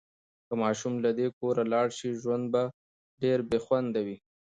که ماشوم له دې کوره لاړ شي، ژوند به ډېر بې خونده وي.